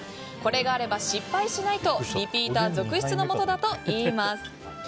これがあれば失敗しないとリピーター続出だといいます。